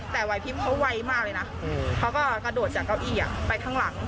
แต่วัยพริบเขาไวมากเลยนะเขาก็กระโดดจากเก้าอี้ไปข้างหลัง